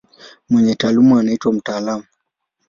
Mwenye taaluma anaitwa mtaalamu.